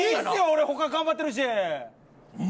俺他頑張ってるし。